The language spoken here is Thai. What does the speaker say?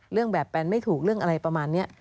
เรื่องแบบแปนไม่ถูกเรื่องอะไรประมาณนี้